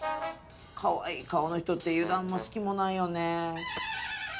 かわいい顔の人って油断も隙もないよね。